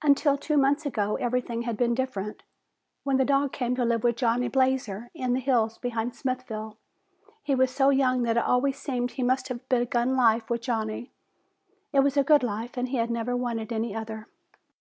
Until two months ago, everything had been different. When the dog came to live with Johnny Blazer, in the hills behind Smithville, he was so young that it always seemed he must have begun life with Johnny. It was a good life and he had never wanted any other.